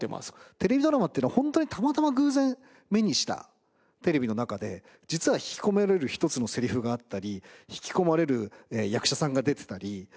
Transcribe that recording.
テレビドラマっていうのはホントにたまたま偶然目にしたテレビの中で実は引き込まれる一つのセリフがあったり引き込まれる役者さんが出てたり